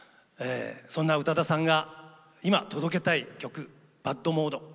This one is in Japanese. そんな宇多田さんが今、届けたい曲「ＢＡＤモード」。